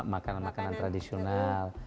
iya makanan makanan tradisional